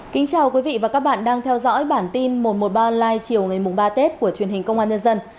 chào mừng quý vị đến với bản tin một trăm một mươi ba live chiều ba tết của truyền hình công an nhân dân